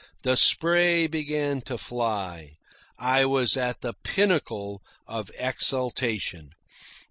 The spray began to fly. I was at the pinnacle of exaltation.